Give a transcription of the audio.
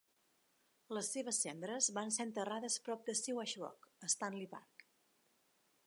Les seves cendres van ser enterrades prop de Siwash Rock a Stanley Park.